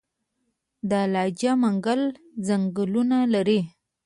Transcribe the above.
د لجه منګل ځنګلونه لري